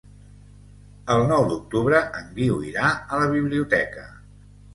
El nou d'octubre en Guiu irà a la biblioteca.